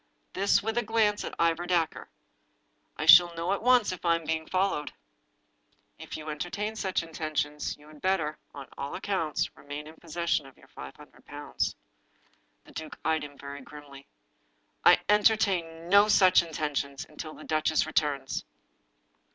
This with a glance at Ivor Dacre. " I shall know at once if I am followed. If you entertain such intentions, you had better, on all ac counts, remain in possession of your five hundred pounds." The duke eyed him very grimly. "I entertain no such intentions — until the duchess re turns."